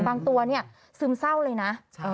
บางตัวเนี่ยซึมเศร้าเลยนะ